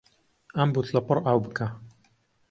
ئەم بوتڵە پڕ ئاو بکە.